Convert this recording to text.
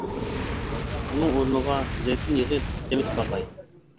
ئۇنىڭ ئورنىغا زەيتۇن يېغى تېمىتىپ باقاي.